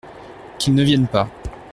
Qu’il ne vienne pas.